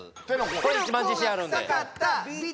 これが一番自信あるんではい！